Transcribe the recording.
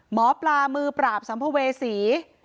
หมอปลามือปราบสัมภเวษี